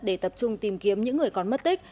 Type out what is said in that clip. để tập trung tìm kiếm những người còn mất tích